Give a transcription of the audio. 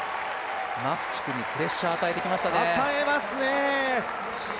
マフチクにプレッシャーを与えてきましたね。